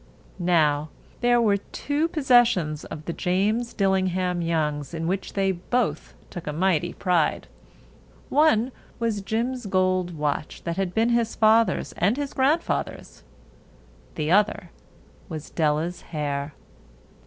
Now, there were two possessions of the James Dillingham Youngs in which they both took a mighty pride. One was Jim's gold watch that had been his father's and his grandfather's. The other was Della's hair.